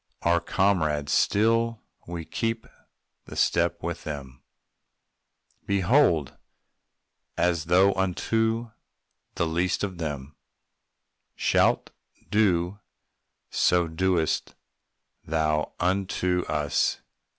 Our comrades still; we keep the step with them, _Behold! As thou unto the least of them Shalt do, so dost thou unto us.